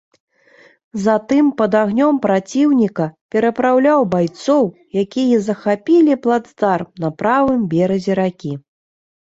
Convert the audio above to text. Затым пад агнём праціўніка перапраўляў байцоў, якія захапілі плацдарм на правым беразе ракі.